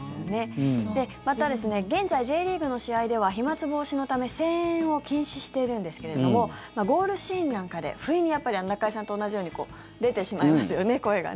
また、現在Ｊリーグの試合では飛まつ防止のため声援を禁止しているんですけどもゴールシーンなんかで不意にやっぱり中居さんと同じように出てしまいますよね、声が。